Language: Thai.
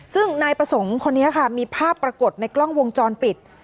ซึ่งนายประสงค์คนนี้ค่ะมีภาพปรากฏในกล้องวงจรปิด